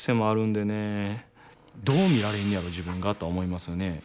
どう見られんねやろ自分がとは思いますよね。